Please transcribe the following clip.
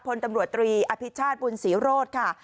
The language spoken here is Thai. พลตำรวจตรีอภิชาติบุญศรีโรธค่ะ